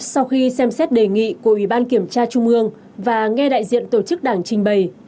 sau khi xem xét đề nghị của ủy ban kiểm tra trung ương và nghe đại diện tổ chức đảng trình bày